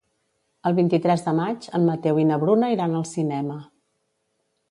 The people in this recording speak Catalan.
El vint-i-tres de maig en Mateu i na Bruna iran al cinema.